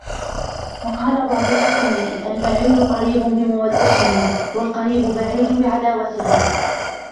وَقَالَ بَعْضُ الْحُكَمَاءِ الْبَعِيدُ قَرِيبٌ بِمَوَدَّتِهِ ، وَالْقَرِيبُ بَعِيدٌ بِعَدَاوَتِهِ